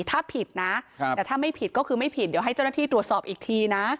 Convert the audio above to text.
ถ้าผิดนะแต่ถ้าไม่ผิดก็คือไม่ผิดเดี๋ยวให้เจ้าหน้าที่ตรวจสอบอีกทีนะ